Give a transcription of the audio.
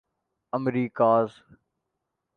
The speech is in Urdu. امیریکاز